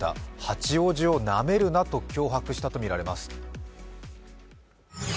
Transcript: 八王子をなめるなと脅迫したとみられます。